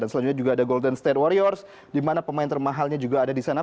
dan selanjutnya juga ada golden state warriors di mana pemain termahalnya juga ada di sana